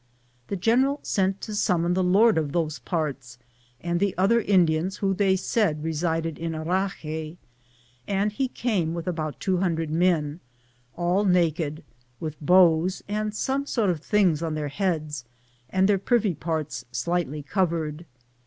The general sent to summon the lord of those parts and the other Indians who they said resided in Harahey, and he came with about 200 men — all naked — with bows, and some sort of things on their heads, and their privy parts slightly covered.